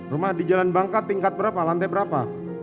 rumah di jalan bangka tingkat berapa lantai berapa